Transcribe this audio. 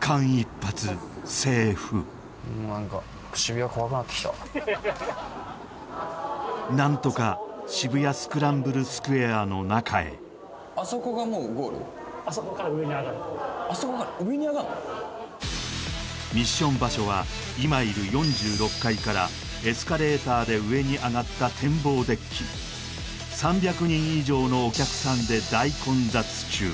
間一髪セーフ何とか渋谷スクランブルスクエアの中へあそこからミッション場所は今いる４６階からエスカレーターで上にあがった展望デッキ３００人以上のお客さんで大混雑中